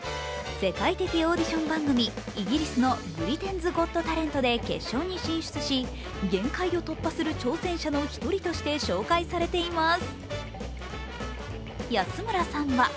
世界的オーディション番組、イギリスの「ブリテンズ・ゴット・タレント」で決勝に進出し限界を突破する挑戦者の一人として紹介されています。